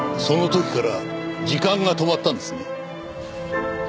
その時から時間が止まったんですね？